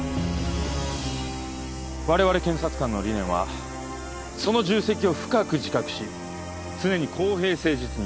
我々検察官の理念は「その重責を深く自覚し、常に公平誠実に、」